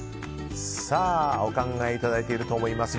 お考えいただいていると思います。